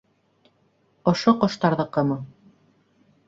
Ошо ҡоштарҙыҡымы?